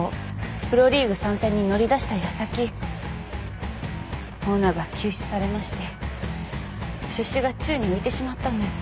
プロリーグ参戦に乗り出した矢先オーナーが急死されまして出資が宙に浮いてしまったんです。